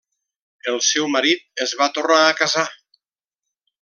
El seu marit es va tornar a casar.